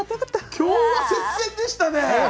今日は接戦でしたね。